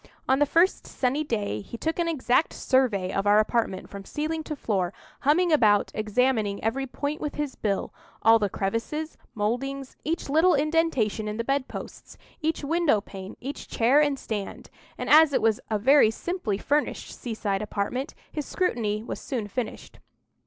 On the first sunny day he took an exact survey of our apartment from ceiling to floor, humming about, examining every point with his bill—all the crevices, mouldings, each little indentation in the bed posts, each window pane, each chair and stand; and, as it was a very simply furnished seaside apartment, his scrutiny was soon finished.